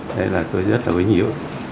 đây là tôi rất là vinh dự